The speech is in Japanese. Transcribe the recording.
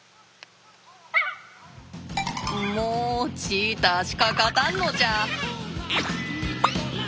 もうチーターしか勝たんのじゃ。